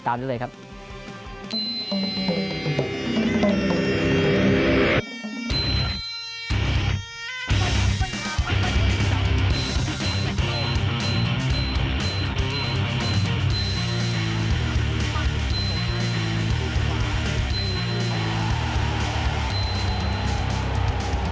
ติดตามเชื่อดีสึกสนะอยู่